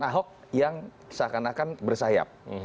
ada pertemuan ahok yang seakan akan bersayap